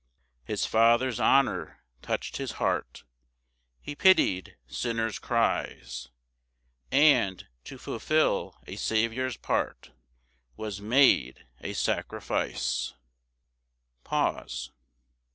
6 His Father's honour touch'd his heart, He pity'd sinners' cries, And, to fulfil a Saviour's part, Was made a sacrifice, PAUSE.